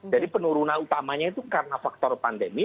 jadi penurunan utamanya itu karena faktor pandemi